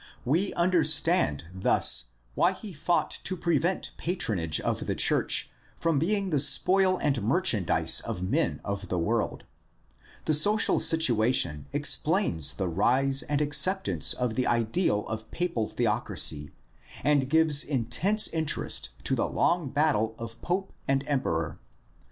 We understand 348 GUIDE TO STUDY OF CHRISTIAN RELIGION thus why he fought to prevent patronage of the church from being the spoil and merchandise of men of the world. The social situation explains the rise and acceptance of the ideal of papal theocracy and gives intense interest to the long battle of pope and emperor.